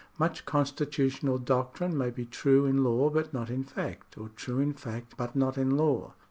Much constitutional doctrine may be true in law but not in fact, or true in fact but not in law.